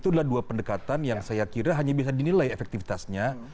itu adalah dua pendekatan yang saya kira hanya bisa dinilai efektifitasnya